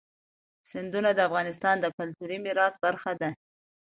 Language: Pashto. سیندونه د افغانستان د کلتوري میراث برخه ده.